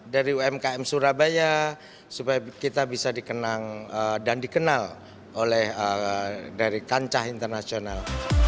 dari umkm surabaya supaya kita bisa dikenal dan dikenal oleh dari kancah internasional